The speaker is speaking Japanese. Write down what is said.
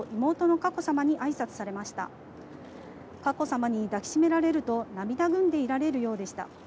佳子さまに抱き締められると涙ぐんでいられるようでした。